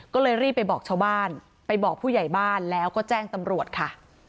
ก็เลยรีบไปบอกชาวบ้านไปบอกผู้ใหญ่บ้านแล้วก็แจ้งตำรวจค่ะ